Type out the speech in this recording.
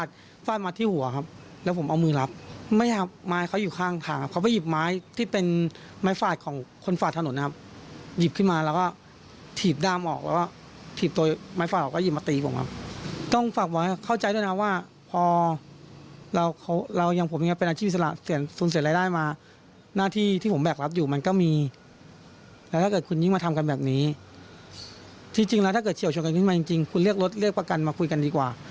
ที่จริงแล้วถ้าเกิดเฉียวชนกันขึ้นมาจริงคุณเรียกรถเรียกประกันมาคุยกันดีกว่า